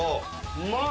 うまい。